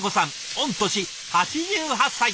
御年８８歳！